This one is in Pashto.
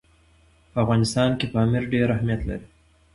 په افغانستان کې پامیر ډېر اهمیت لري.